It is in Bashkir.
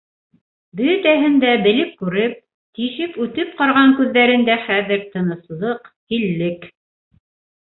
Бөтәһен дә белеп-күреп, тишеп-үтеп ҡараған күҙҙәрендә хәҙер тыныслыҡ, һиллек...